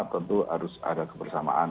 tentu harus ada kebersamaan